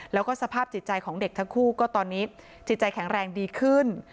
แล้วก็สภาพจิตใจของเด็กทั้งคู่ก็ตอนนี้จิตใจแข็งแรงดีขึ้น